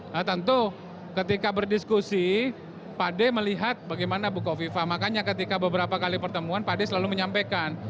nah tentu ketika berdiskusi pak dekarwo melihat bagaimana bukofiva makanya ketika beberapa kali pertemuan pak dekarwo selalu menyampaikan